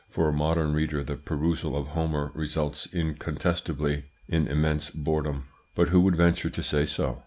For a modern reader the perusal of Homer results incontestably in immense boredom; but who would venture to say so?